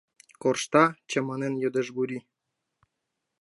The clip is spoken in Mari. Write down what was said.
Коршта? — чаманен йодеш Гурий.